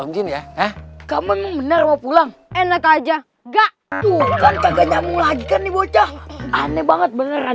gini emang kamu benar mau pulang enak aja enggak bukan sekandar mulas unique aneh banget beneran